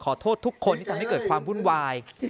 ขอโทษทุกคนที่ทำให้เกิดความวุ่นวาย